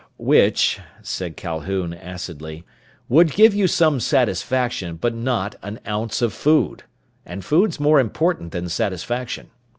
"Which," said Calhoun acidly, "would give you some satisfaction but not an ounce of food! And food's more important than satisfaction.